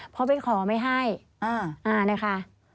พ่อไปขอไม่ให้อ่าอ่านะคะ